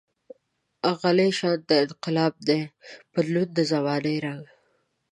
غلی شانته انقلاب دی، بدلوي د زمانې رنګ.